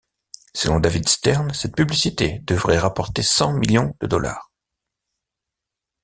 Selon David Stern cette publicité devrait rapporter cent millions de dollars.